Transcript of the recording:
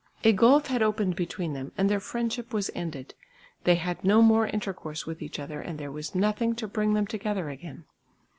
A gulf had opened between them and their friendship was ended; they had no more intercourse with each other and there was nothing to bring them together again.